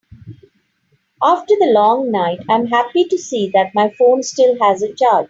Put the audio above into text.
After the long night, I am happy to see that my phone still has a charge.